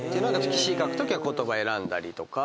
詞書くときは言葉選んだりとか。